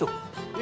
え